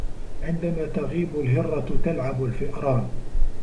عندما تغيب الهرة تلعب الفئران